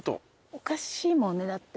おかしいもんねだって。